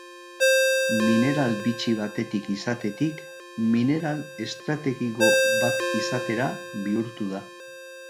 Mineral bitxi batetik izatetik, mineral estrategiko bat izatera bihurtu da.